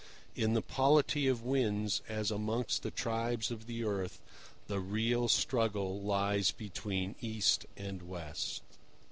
In the polity of winds, as amongst the tribes of the earth, the real struggle lies between East and West.